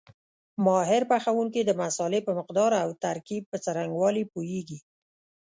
ماهر پخوونکي د مسالې په مقدار او ترکیب په څرنګوالي پوهېږي.